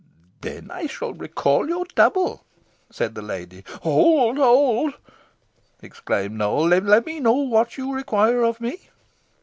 "Then I shall recall your double," said the lady. "Hold, hold!" exclaimed Nowell. "Let me know what you require of me."